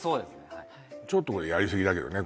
はいちょっとこれやりすぎだけどね